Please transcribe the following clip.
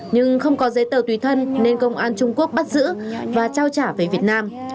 nhưng không có giấy tờ tùy thân nên công an trung quốc bắt giữ và trao trả về việt nam